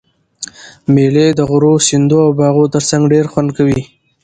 مېلې د غرو، سیندو او باغو ترڅنګ ډېر خوند کوي.